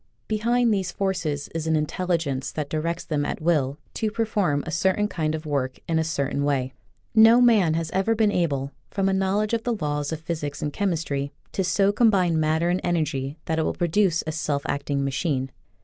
Behind these forces is an intelligence that directs them at will to perform a certain kind of work in a certain way. No man has ever been able, from a knowl edge of the laws of physics and chemistry, to so combine matter and energy that it will produce a self acting machine.